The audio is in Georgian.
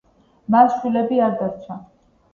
მას შვილები არ დარჩა.